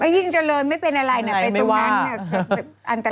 ยิ่งเจริญไม่เป็นอะไรไปตรงนั้น